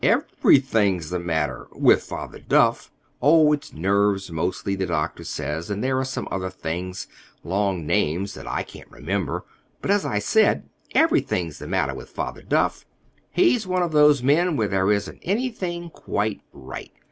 "Everything's the matter—with Father Duff! Oh, it's nerves, mostly, the doctor says, and there are some other things—long names that I can't remember. But, as I said, everything's the matter with Father Duff. He's one of those men where there isn't anything quite right.